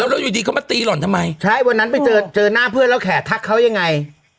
แล้วอยู่ดีเขามาตีหล่อนทำไมใช่วันนั้นไปเจอเจอหน้าเพื่อนแล้วแขกทักเขายังไง